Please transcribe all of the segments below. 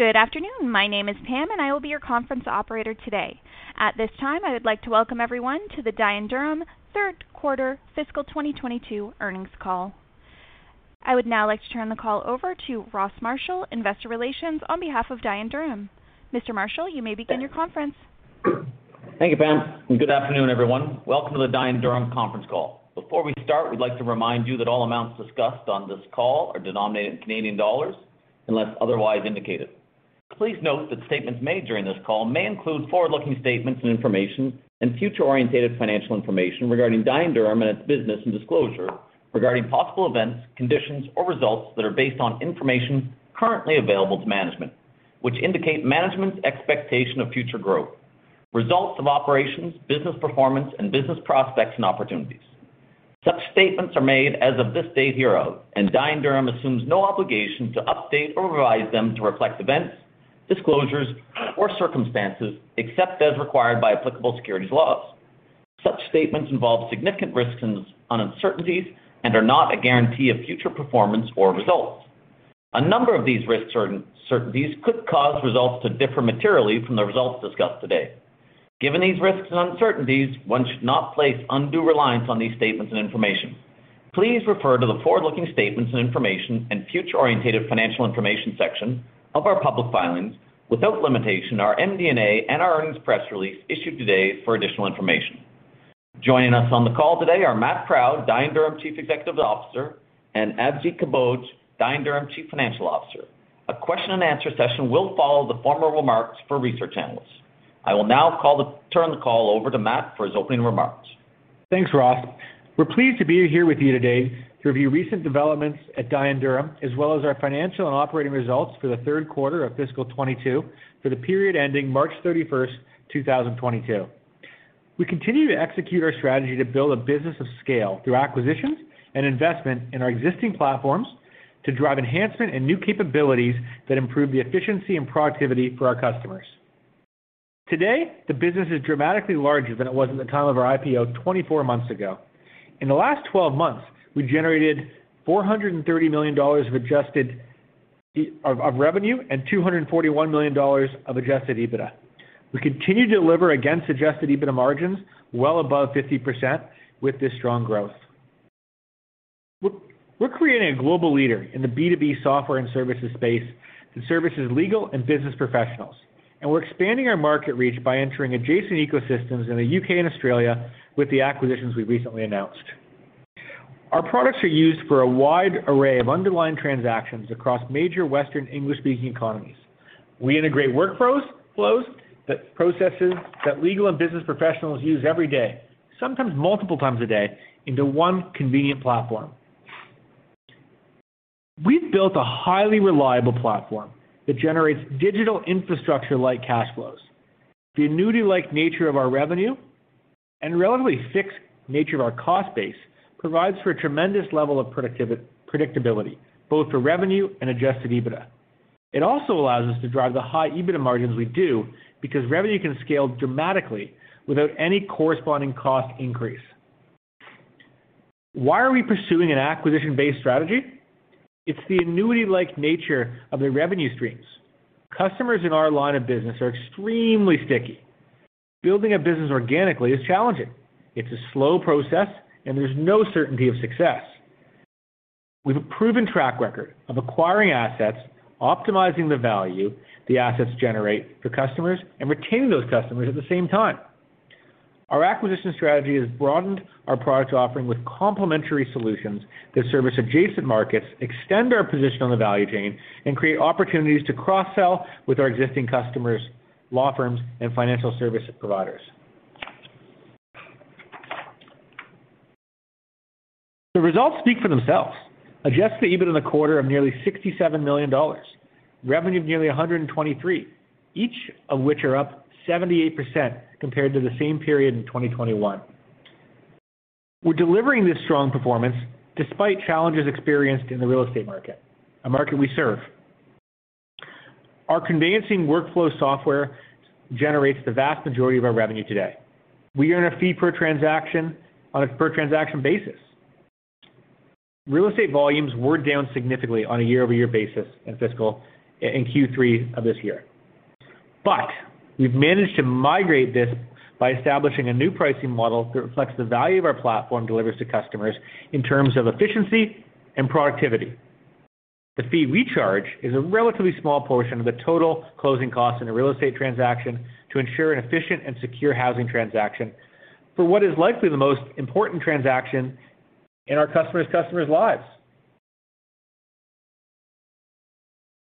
Good afternoon. My name is Pam, and I will be your conference operator today. At this time, I would like to welcome everyone to the Dye & Durham third quarter fiscal 2022 earnings call. I would now like to turn the call over to Ross Marshall, Investor Relations, on behalf of Dye & Durham. Mr. Marshall, you may begin your conference. Thank you, Pam, and good afternoon, everyone. Welcome to the Dye & Durham conference call. Before we start, we'd like to remind you that all amounts discussed on this call are denominated in Canadian dollars unless otherwise indicated. Please note that statements made during this call may include forward-looking statements and information and future-oriented financial information regarding Dye & Durham and its business and disclosure regarding possible events, conditions, or results that are based on information currently available to management, which indicate management's expectation of future growth, results of operations, business performance, and business prospects and opportunities. Such statements are made as of this date hereof, and Dye & Durham assumes no obligation to update or revise them to reflect events, disclosures, or circumstances except as required by applicable securities laws. Such statements involve significant risks and uncertainties and are not a guarantee of future performance or results. A number of these risks and uncertainties could cause results to differ materially from the results discussed today. Given these risks and uncertainties, one should not place undue reliance on these statements and information. Please refer to the forward-looking statements and information and future-oriented financial information section of our public filings, without limitation, our MD&A and our earnings press release issued today for additional information. Joining us on the call today are Matt Proud, Dye & Durham Chief Executive Officer, and Avjit Kamboj, Dye & Durham Chief Financial Officer. A question and answer session will follow the formal remarks for research analysts. I will now turn the call over to Matt for his opening remarks. Thanks, Ross. We're pleased to be here with you today to review recent developments at Dye & Durham, as well as our financial and operating results for the third quarter of fiscal 2022 for the period ending March 31st, 2022. We continue to execute our strategy to build a business of scale through acquisitions and investment in our existing platforms to drive enhancement and new capabilities that improve the efficiency and productivity for our customers. Today, the business is dramatically larger than it was at the time of our IPO 24 months ago. In the last 12 months, we generated 430 million dollars of adjusted revenue and 241 million dollars of Adjusted EBITDA. We continue to deliver against Adjusted EBITDA margins well above 50% with this strong growth. We're creating a global leader in the B2B software and services space that services legal and business professionals, and we're expanding our market reach by entering adjacent ecosystems in the U.K. and Australia with the acquisitions we've recently announced. Our products are used for a wide array of underlying transactions across major Western English-speaking economies. We integrate workflows, flows that processes that legal and business professionals use every day, sometimes multiple times a day, into one convenient platform. We've built a highly reliable platform that generates digital infrastructure like cash flows. The annuity-like nature of our revenue and relatively fixed nature of our cost base provides for a tremendous level of predictability, both for revenue and Adjusted EBITDA. It also allows us to drive the high EBITDA margins we do because revenue can scale dramatically without any corresponding cost increase. Why are we pursuing an acquisition-based strategy? It's the annuity-like nature of the revenue streams. Customers in our line of business are extremely sticky. Building a business organically is challenging. It's a slow process, and there's no certainty of success. We have a proven track record of acquiring assets, optimizing the value the assets generate for customers, and retaining those customers at the same time. Our acquisition strategy has broadened our product offering with complementary solutions that service adjacent markets, extend our position on the value chain, and create opportunities to cross-sell with our existing customers, law firms, and financial service providers. The results speak for themselves. Adjusted EBITDA in the quarter of nearly 67 million dollars, revenue of nearly 123 million, each of which are up 78% compared to the same period in 2021. We're delivering this strong performance despite challenges experienced in the real estate market, a market we serve. Our conveyancing workflow software generates the vast majority of our revenue today. We earn a fee per transaction on a per-transaction basis. Real estate volumes were down significantly on a year-over-year basis in fiscal in Q3 of this year. We've managed to migrate this by establishing a new pricing model that reflects the value of our platform delivers to customers in terms of efficiency and productivity. The fee we charge is a relatively small portion of the total closing cost in a real estate transaction to ensure an efficient and secure housing transaction for what is likely the most important transaction in our customers' lives.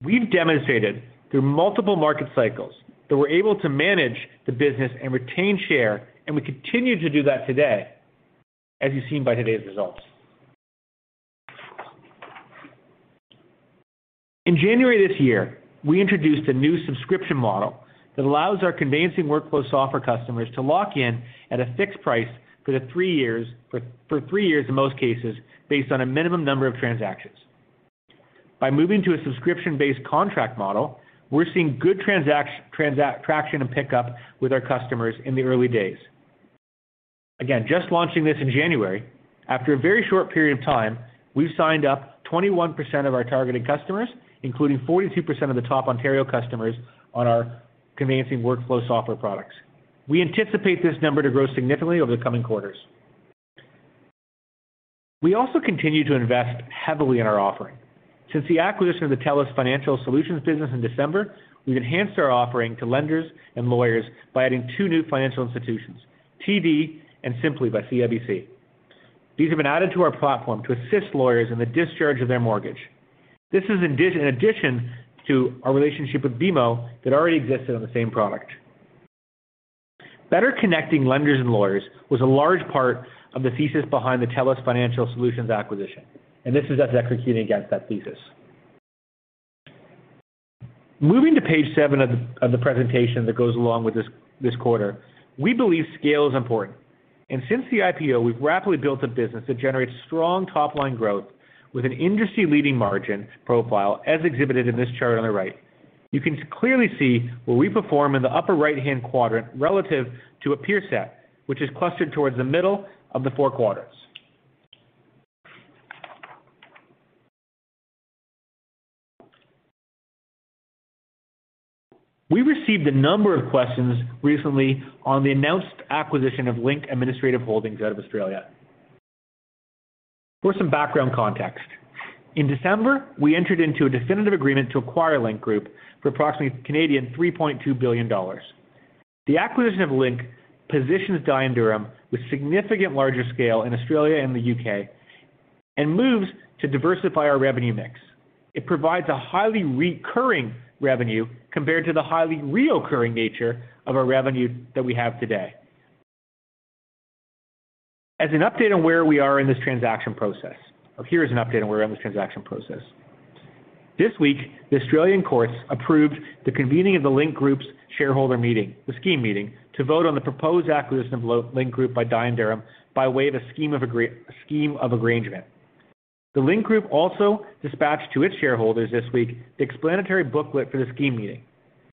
We've demonstrated through multiple market cycles that we're able to manage the business and retain share, and we continue to do that today, as you've seen by today's results. In January this year, we introduced a new subscription model that allows our conveyancing workflow software customers to lock in at a fixed price for three years in most cases, based on a minimum number of transactions. By moving to a subscription-based contract model, we're seeing good transaction uptake with our customers in the early days. Again, just launching this in January, after a very short period of time, we've signed up 21% of our targeted customers, including 42% of the top Ontario customers on our conveyancing workflow software products. We anticipate this number to grow significantly over the coming quarters. We also continue to invest heavily in our offering. Since the acquisition of the TELUS Financial Solutions Business in December, we've enhanced our offering to lenders and lawyers by adding two new financial institutions, TD and Simplii by CIBC. These have been added to our platform to assist lawyers in the discharge of their mortgage. This is in addition to our relationship with BMO that already existed on the same product. Better connecting lenders and lawyers was a large part of the thesis behind the TELUS Financial Solutions acquisition, and this is us executing against that thesis. Moving to page seven of the presentation that goes along with this quarter, we believe scale is important. Since the IPO, we've rapidly built a business that generates strong top-line growth with an industry-leading margin profile, as exhibited in this chart on the right. You can clearly see where we perform in the upper right-hand quadrant relative to a peer set, which is clustered towards the middle of the four quadrants. We received a number of questions recently on the announced acquisition of Link Administration Holdings out of Australia. For some background context, in December, we entered into a definitive agreement to acquire Link Group for approximately 3.2 billion Canadian dollars. The acquisition of Link positions Dye & Durham with significant larger scale in Australia and the U.K. and moves to diversify our revenue mix. It provides a highly recurring revenue compared to the highly recurring nature of our revenue that we have today. Here is an update on where we are in this transaction process. This week, the Australian courts approved the convening of the Link Group's shareholder meeting, the scheme meeting, to vote on the proposed acquisition of Link Group by Dye & Durham by way of a scheme of arrangement. The Link Group also dispatched to its shareholders this week the explanatory booklet for the scheme meeting.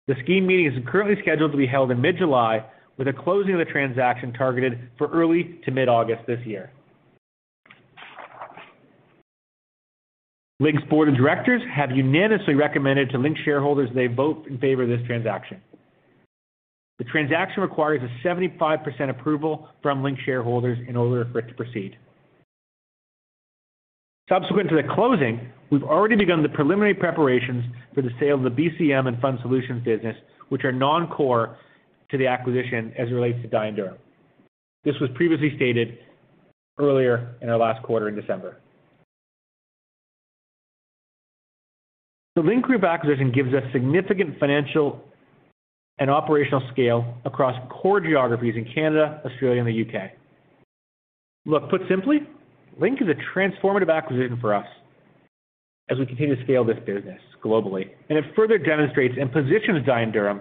The scheme meeting is currently scheduled to be held in mid-July, with a closing of the transaction targeted for early to mid-August this year. Link's Board of Directors have unanimously recommended to Link shareholders they vote in favor of this transaction. The transaction requires a 75% approval from Link shareholders in order for it to proceed. Subsequent to the closing, we've already begun the preliminary preparations for the sale of the BCM and Funds Solutions business, which are non-core to the acquisition as it relates to Dye & Durham. This was previously stated earlier in our last quarter in December. The Link Group acquisition gives us significant financial and operational scale across core geographies in Canada, Australia, and the U.K. Look, put simply, Link is a transformative acquisition for us as we continue to scale this business globally, and it further demonstrates and positions Dye & Durham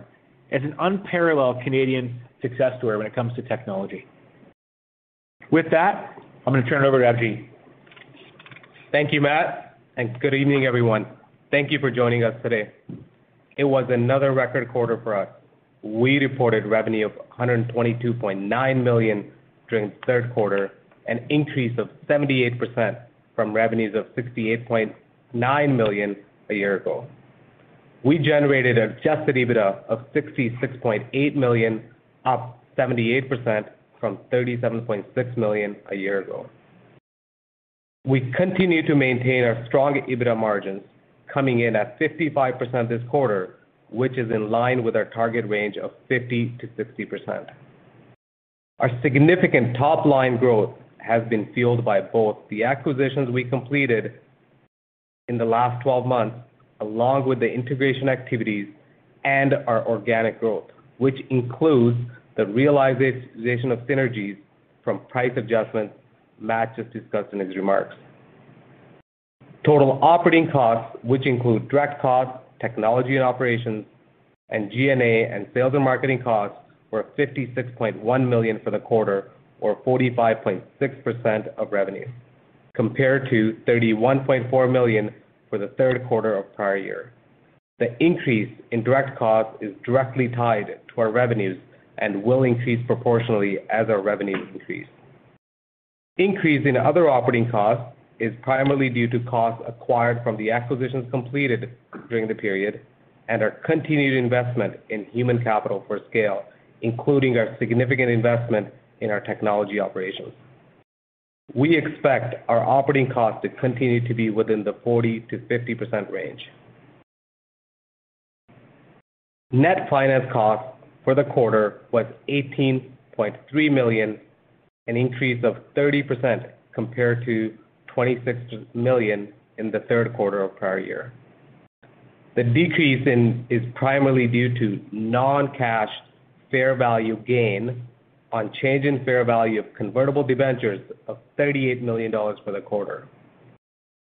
as an unparalleled Canadian success story when it comes to technology. With that, I'm gonna turn it over to Avjit. Thank you, Matt, and good evening, everyone. Thank you for joining us today. It was another record quarter for us. We reported revenue of 122.9 million during the third quarter, an increase of 78% from revenues of 68.9 million a year ago. We generated Adjusted EBITDA of 66.8 million, up 78% from 37.6 million a year ago. We continue to maintain our strong EBITDA margins coming in at 55% this quarter, which is in line with our target range of 50%-60%. Our significant top-line growth has been fueled by both the acquisitions we completed in the last 12 months, along with the integration activities and our organic growth, which includes the realization of synergies from price adjustments Matt just discussed in his remarks. Total operating costs, which include direct costs, technology and operations, and G&A, and sales and marketing costs, were 56.1 million for the quarter or 45.6% of revenues, compared to 31.4 million for the third quarter of prior year. The increase in direct costs is directly tied to our revenues and will increase proportionally as our revenues increase. Increase in other operating costs is primarily due to costs acquired from the acquisitions completed during the period and our continued investment in human capital for scale, including our significant investment in our technology operations. We expect our operating costs to continue to be within the 40%-50% range. Net finance costs for the quarter was 18.3 million, an increase of 30% compared to 26 million in the third quarter of prior year. The decrease in is primarily due to non-cash fair value gain on change in fair value of convertible debentures of 38 million dollars for the quarter.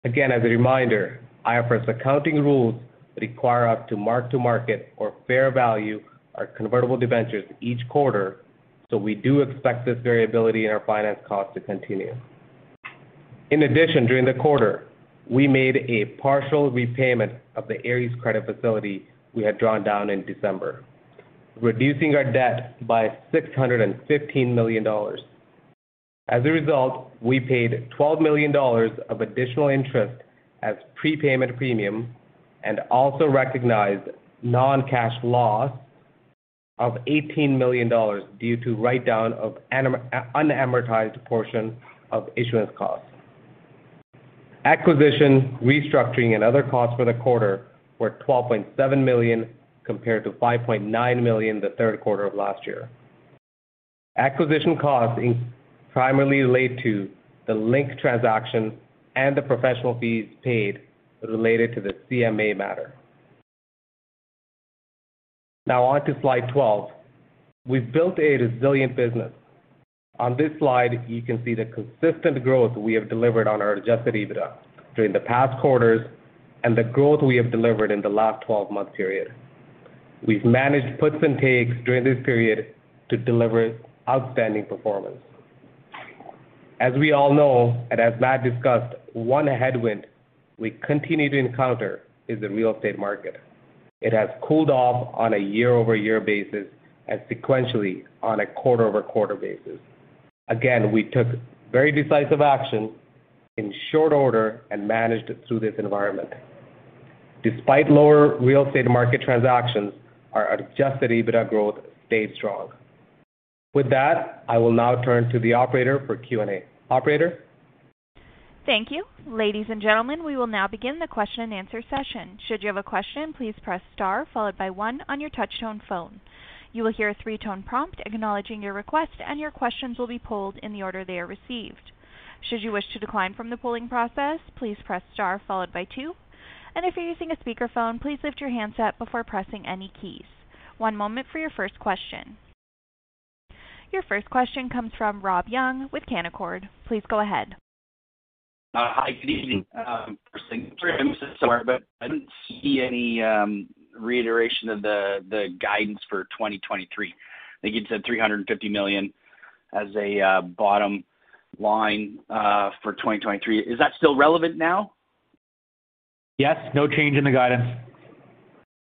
Again, as a reminder, IFRS accounting rules require us to mark to market or fair value our convertible debentures each quarter. We do expect this variability in our finance costs to continue. In addition, during the quarter, we made a partial repayment of the Ares credit facility we had drawn down in December, reducing our debt by 615 million dollars. As a result, we paid 12 million dollars of additional interest as prepayment premium and also recognized non-cash loss of 18 million dollars due to write-down of unamortized portion of issuance costs. Acquisition, restructuring, and other costs for the quarter were 12.7 million compared to 5.9 million the third quarter of last year. Acquisition costs primarily relate to the Link transaction and the professional fees paid related to the CMA matter. Now on to slide 12. We've built a resilient business. On this slide, you can see the consistent growth we have delivered on our Adjusted EBITDA during the past quarters and the growth we have delivered in the last 12-month period. We've managed puts and takes during this period to deliver outstanding performance. As we all know, and as Matt discussed, one headwind we continue to encounter is the real estate market. It has cooled off on a year-over-year basis and sequentially on a quarter-over-quarter basis. Again, we took very decisive action in short order and managed through this environment. Despite lower real estate market transactions, our Adjusted EBITDA growth stayed strong. With that, I will now turn to the operator for Q&A. Operator? Thank you. Ladies and gentlemen, we will now begin the question-and-answer session. Should you have a question, please press star followed by one on your touch-tone phone. You will hear a three-tone prompt acknowledging your request, and your questions will be pooled in the order they are received. Should you wish to decline from the pooling process, please press star followed by two. If you're using a speakerphone, please lift your handset before pressing any keys. One moment for your first question. Your first question comes from Rob Young with Canaccord Genuity. Please go ahead. Hi, good evening. First thing, sorry, but I didn't see any reiteration of the guidance for 2023. I think you'd said 350 million as a bottom line for 2023. Is that still relevant now? Yes. No change in the guidance.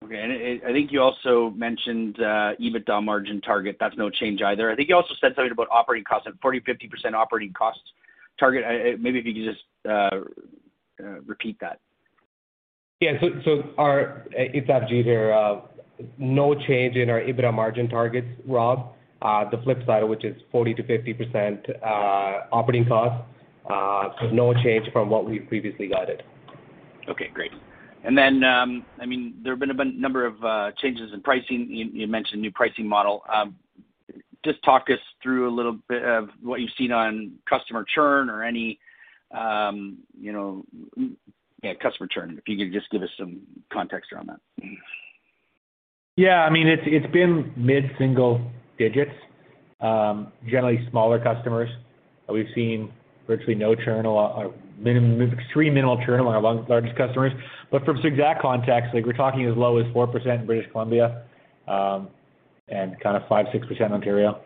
Okay. I think you also mentioned EBITDA margin target. That's no change either. I think you also said something about operating costs at 40%-50% operating costs target. Maybe if you could just repeat that. It's Avjit here. No change in our EBITDA margin targets, Rob. The flip side, which is 40%-50%, operating costs, no change from what we've previously guided. Okay, great. I mean, there have been a number of changes in pricing. You mentioned new pricing model. Just talk us through a little bit of what you've seen on customer churn or any, you know, Yeah, customer churn, if you could just give us some context around that. I mean, it's been mid-single digits. Generally smaller customers. We've seen virtually no churn or at minimum, extremely minimal churn on our largest customers. From existing contacts, like, we're talking as low as 4% in British Columbia, and kind of 5%-6% Ontario.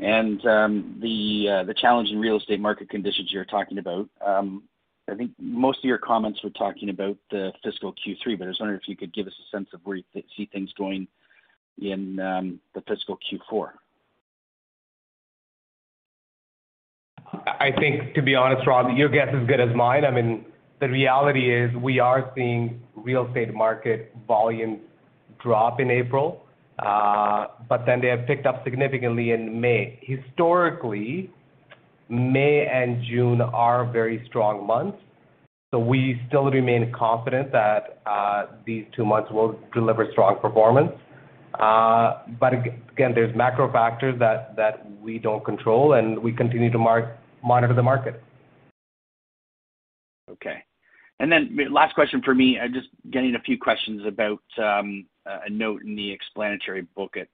Okay. The challenge in real estate market conditions you're talking about, I think most of your comments were talking about the fiscal Q3, but I was wondering if you could give us a sense of where you see things going in the fiscal Q4? I think to be honest, Rob, your guess is as good as mine. I mean, the reality is we are seeing real estate market volume drop in April. They have picked up significantly in May. Historically, May and June are very strong months, so we still remain confident that these two months will deliver strong performance. Again, there's macro factors that we don't control, and we continue to monitor the market. Okay. Last question for me. I'm just getting a few questions about a note in the explanatory booklet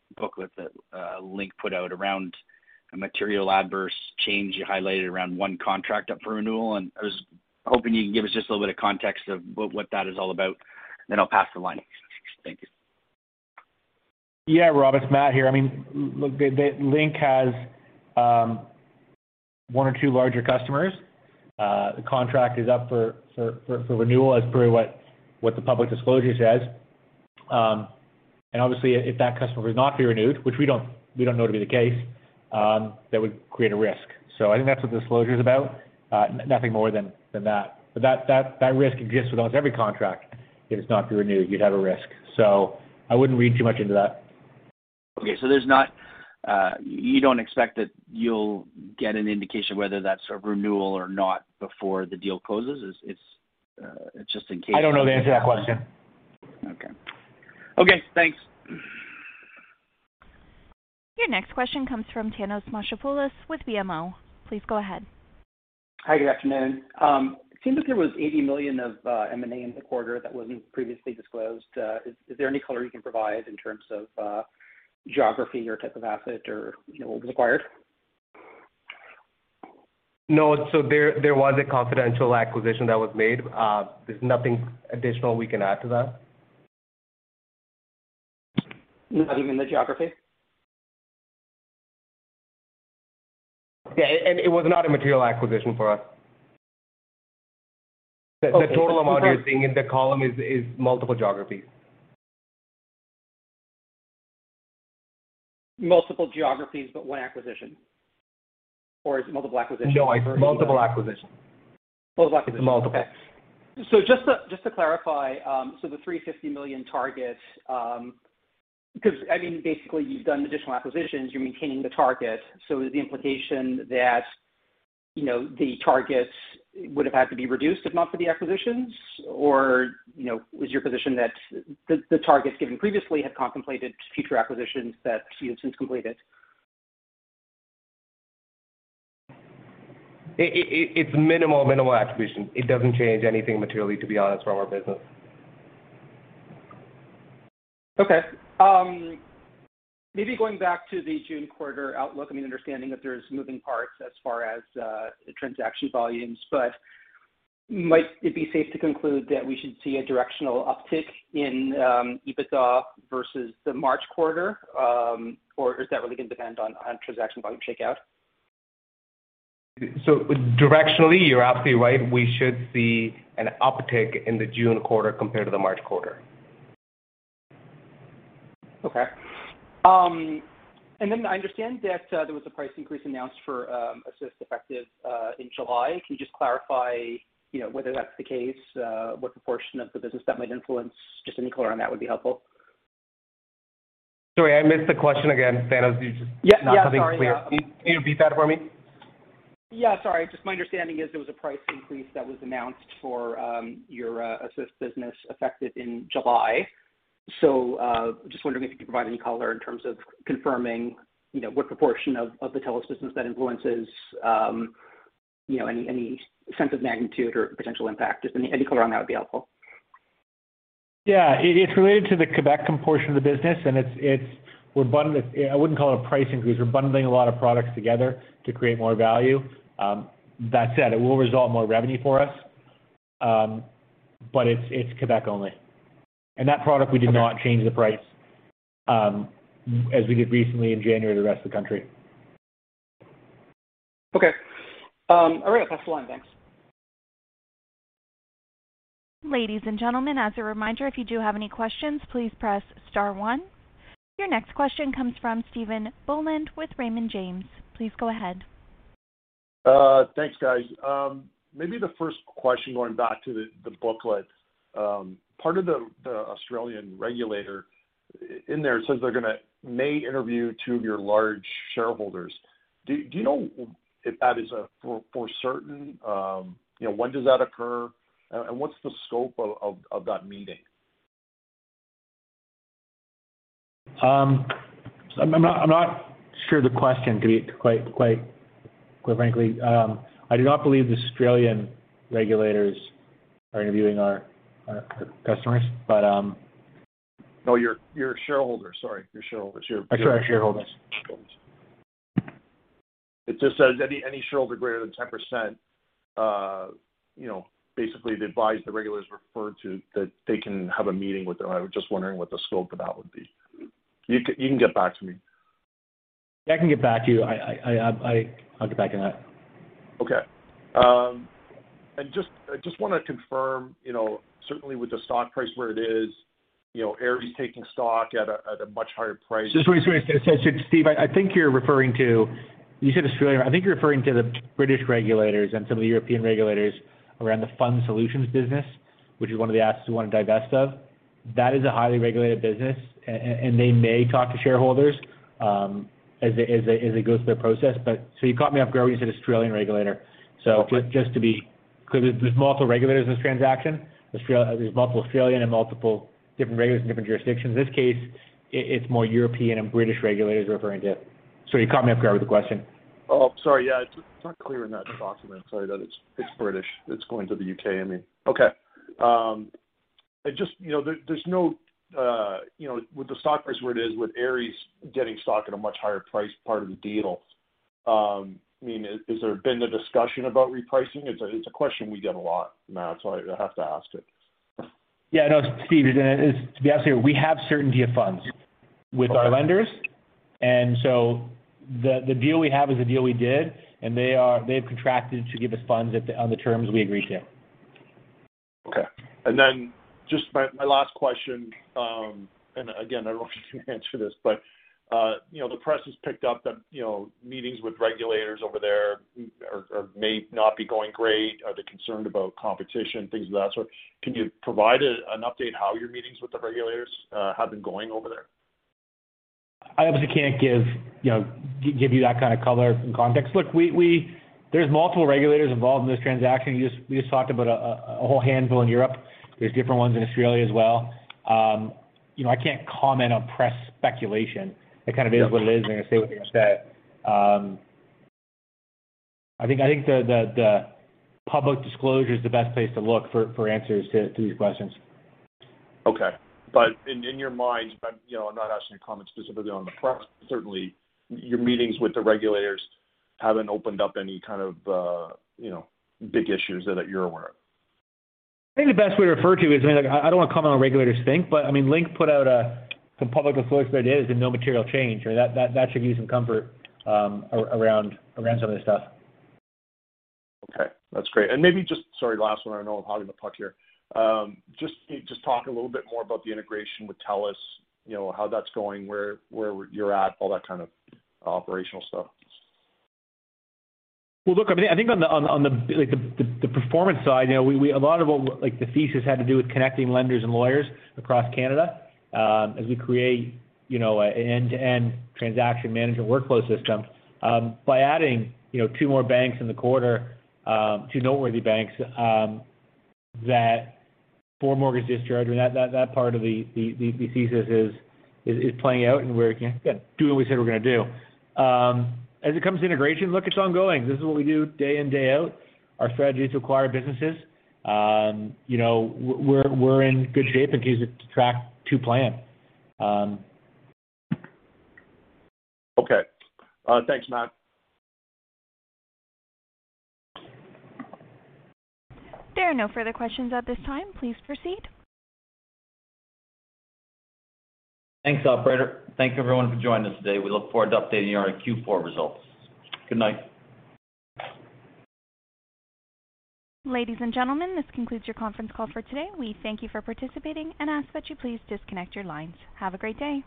that Link put out around a material adverse change you highlighted around one contract up for renewal. I was hoping you could give us just a little bit of context of what that is all about, and then I'll pass the line. Thank you. Yeah, Rob, it's Matt here. I mean, look, Link has one or two larger customers. The contract is up for renewal as per what the public disclosure says. Obviously, if that customer were not to be renewed, which we don't know to be the case, that would create a risk. I think that's what disclosure is about, nothing more than that. That risk exists with almost every contract. If it's not to be renewed, you'd have a risk. I wouldn't read too much into that. Okay. You don't expect that you'll get an indication whether that's a renewal or not before the deal closes. It's just in case. I don't know the answer to that question. Okay, thanks. Your next question comes from Thanos Moschopoulos with BMO. Please go ahead. Hi, good afternoon. It seems like there was 80 million of M&A in the quarter that wasn't previously disclosed. Is there any color you can provide in terms of geography or type of asset or, you know, what was acquired? No. There was a confidential acquisition that was made. There's nothing additional we can add to that. Nothing in the geography? Yeah. It was not a material acquisition for us. Okay. The total amount you're seeing in the column is multiple geographies. Multiple geographies, but one acquisition or is it multiple acquisitions? No, it's multiple acquisitions. Multiple acquisitions. It's multiple. Okay. Just to clarify, 'cause I mean, basically you've done additional acquisitions, you're maintaining the target. Is the implication that, you know, the targets would've had to be reduced if not for the acquisitions? Or, you know, was your position that the targets given previously had contemplated future acquisitions that you had since completed? It's minimal acquisition. It doesn't change anything materially, to be honest, for our business. Okay. Maybe going back to the June quarter outlook, I mean, understanding that there's moving parts as far as the transaction volumes, but might it be safe to conclude that we should see a directional uptick in EBITDA versus the March quarter? Or is that really gonna depend on transaction volume shakeout? Directionally, you're absolutely right. We should see an uptick in the June quarter compared to the March quarter. Okay. I understand that there was a price increase announced for Assyst effective in July. Can you just clarify, you know, whether that's the case, what proportion of the business that might influence? Just any color on that would be helpful. Sorry, I missed the question again. Thanos, you just- Yeah, yeah. Sorry. Yeah. Can you repeat that for me? Yeah, sorry. Just my understanding is there was a price increase that was announced for your Assyst business effective in July. Just wondering if you could provide any color in terms of confirming, you know, what proportion of the TELUS Business that influences, you know, any sense of magnitude or potential impact. Just any color on that would be helpful. It's related to the Quebec component of the business, and I wouldn't call it a price increase. We're bundling a lot of products together to create more value. That said, it will result in more revenue for us. It's Quebec only. That product, we did not change the price, as we did recently in January for the rest of the country. Okay. All right. That's the line. Thanks. Ladies and gentlemen, as a reminder, if you do have any questions, please press star one. Your next question comes from Stephen Boland with Raymond James. Please go ahead. Thanks, guys. Maybe the first question, going back to the booklet. Part of the Australian regulator in there says they're going to maybe interview two of your large shareholders. Do you know if that is for certain? You know, when does that occur? What's the scope of that meeting? I'm not sure of the question, to be quite frankly. I do not believe the Australian regulators are interviewing our customers, but No, your shareholders. Sorry, your shareholders. Sorry, shareholders. Shareholders. It just says any shareholder greater than 10%, you know, basically advised the regulators referred to that they can have a meeting with them. I was just wondering what the scope of that would be. You can get back to me. Yeah, I can get back to you. I'll get back on that. I just wanna confirm, you know, certainly with the stock price where it is, you know, Ares taking stock at a much higher price. Just wait. Steve, I think you're referring to. You said Australia. I think you're referring to the British regulators and some of the European regulators around the Funds Solutions business, which is one of the assets we wanna divest of. That is a highly regulated business. And they may talk to shareholders, as they go through the process. You caught me off guard when you said Australian regulator. Okay. Just to be 'Cause there's multiple regulators in this transaction. Australia, there's multiple Australian and multiple different regulators in different jurisdictions. This case, it's more European and British regulators referring to. You caught me off guard with the question. Oh, sorry. Yeah, it's not clear in that document. Sorry, that it's British. It's going to the U.K., I mean. Okay. With the stock price where it is with Ares getting stock at a much higher price as part of the deal, has there been a discussion about repricing? It's a question we get a lot Matt, so I have to ask it. Yeah. No, Stephen, to be honest with you, we have certainty of funds with our lenders. The deal we have is the deal we did, and they've contracted to give us funds on the terms we agreed to. Okay. Just my last question, and again, I don't know if you can answer this, but you know, the press has picked up that, you know, meetings with regulators over there are or may not be going great. Are they concerned about competition, things of that sort? Can you provide an update how your meetings with the regulators have been going over there? I obviously can't give, you know, give you that kind of color and context. Look, there's multiple regulators involved in this transaction. We just talked about a whole handful in Europe. There's different ones in Australia as well. You know, I can't comment on press speculation. Yeah. It kind of is what it is, and they say what they're gonna say. I think the public disclosure is the best place to look for answers to these questions. Okay. In your mind, you know, I'm not asking you to comment specifically on the press, but certainly your meetings with the regulators haven't opened up any kind of, you know, big issues that you're aware of. I think the best way to refer to is, I mean, like I don't wanna comment on what regulators think, but I mean, Link put out some public disclosure ideas and no material change, and that should give you some comfort around some of this stuff. Okay. That's great. Maybe just. Sorry, last one. I know I'm hogging the puck here. Just talk a little bit more about the integration with TELUS, you know, how that's going, where you're at, all that kind of operational stuff. Well, I think on the performance side, you know, a lot of what like the thesis had to do with connecting lenders and lawyers across Canada, as we create, you know, an end-to-end transaction management workflow system. By adding, you know, two more banks in the quarter, two noteworthy banks that for mortgage discharge, I mean, that part of the thesis is playing out and we're again doing what we said we're gonna do. As it comes to integration, look, it's ongoing. This is what we do day in, day out. Our strategy is to acquire businesses. You know, we're in good shape and it's on track to plan. Okay. Thanks, Matt. There are no further questions at this time. Please proceed. Thanks, operator. Thank you everyone for joining us today. We look forward to updating you on our Q4 results. Good night. Ladies and gentlemen, this concludes your conference call for today. We thank you for participating and ask that you please disconnect your lines. Have a great day.